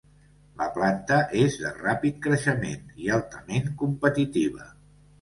La planta és de ràpid creixement i altament competitiva.